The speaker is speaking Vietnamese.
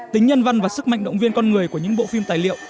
tính nhân văn và sức mạnh động viên con người của những bộ phim tài liệu